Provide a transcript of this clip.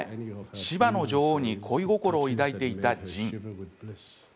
シバの女王に恋心を抱いていたジン。